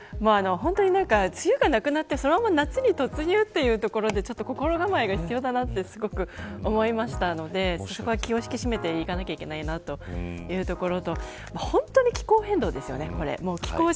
梅雨がなくなってそのまま夏に突入というところで心構えが必要だとすごく思いましたので気を引き締めていかなきゃいけないなというところ。